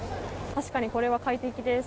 確かに、これは快適です。